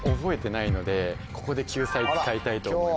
ここで救済使いたいと思います。